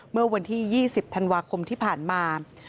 เมื่อวันที่๒๐ธันวาคมที่ผ่านมา